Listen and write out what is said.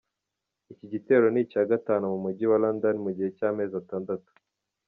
Iki gitero ni icya gatanu mu mujyi wa London mu gihe cy’amezi atandatu.